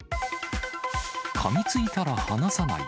かみついたら離さない。